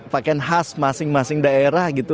pakaian khas masing masing daerah gitu